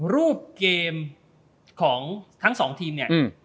รูปเกมของทั้งสองทีมเนี่ย